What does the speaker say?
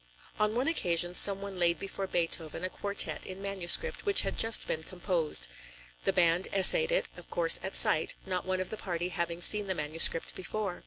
On one occasion, some one laid before Beethoven a quartet in manuscript which had just been composed. The band essayed it, of course at sight, not one of the party having seen the manuscript before.